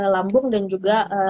lambung dan juga